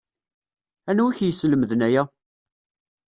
Anwi i k-yeslemden aya?